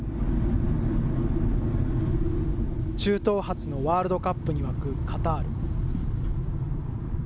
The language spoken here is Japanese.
中東初のワールドカップに沸くカタール。